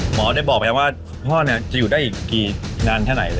หมอบอกจะอยู่ได้อีกครั้งไหน